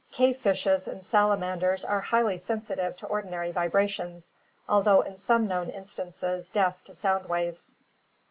Cave fishes and salaman ders are highly sensitive to ordinary vibrations, although in some known instances deaf to sound waves.